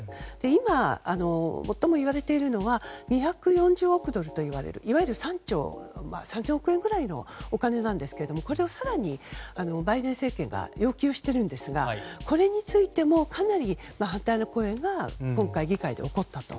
今、最も言われているのが２４０億ドルといわれるいわゆる３兆円ぐらいのお金なんですけどこれを更にバイデン政権が要求しているんですがこれについてもかなり反対の声が今回、議会で起こったと。